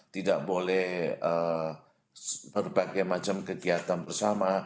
tidak boleh berbagai macam kegiatan bersama